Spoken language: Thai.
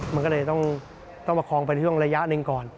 มันก็เลยต้องประคองไปในช่วงระยะหนึ่งก่อน